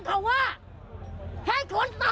ถามว่ากฎหมายข้อไหน